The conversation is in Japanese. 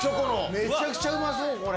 めちゃくちゃうまそうこれ。